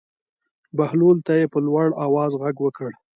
بهلول ته یې په لوړ آواز غږ وکړ.